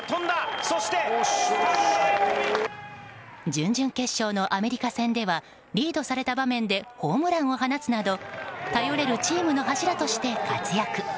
準々決勝のアメリカ戦ではリードされた場面でホームランを放つなど頼れるチームの柱として活躍。